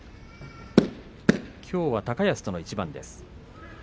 きょうは高安との一番です。